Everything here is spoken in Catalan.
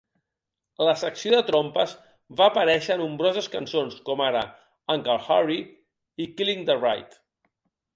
La secció de trompes va aparèixer a nombroses cançons, com ara "Uncle Harry" i "Killing The Right".